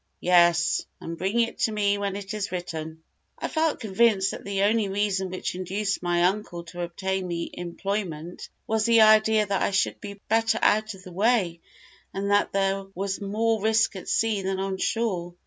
"Yes; and bring it to me when it is written." I felt convinced that the only reason which induced my uncle to obtain me employment, was the idea that I should be better out of the way, and that there was more risk at sea than on shore.